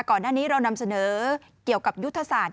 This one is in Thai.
ก่อนหน้านี้เรานำเสนอเกี่ยวกับยุทธศาสตร์